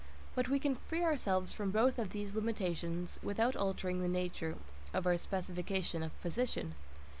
But we can free ourselves from both of these limitations without altering the nature of our specification of position.